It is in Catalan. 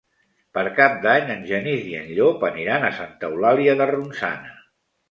Per Cap d'Any en Genís i en Llop aniran a Santa Eulàlia de Ronçana.